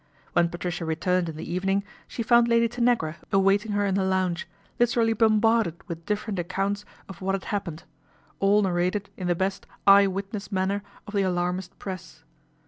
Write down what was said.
When Patricia returned in the evening, she found Lady Tanagra awaiting her in the lounge, literally bombarded with different accounts of what had happened all narrated in the best " eye witness " manner of the alarmist press.